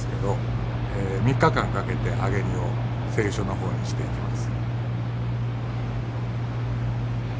３日間かけて揚荷を製油所の方にしていきます。